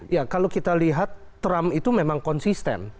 ya kalau kita lihat trump itu memang konsisten